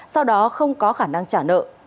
sau đó không có khả năng trả nợ